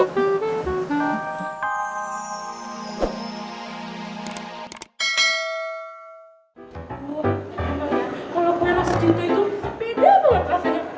wah emangnya kalo gue rasa cinta itu beda banget rasanya